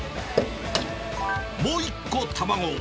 もう１個卵を。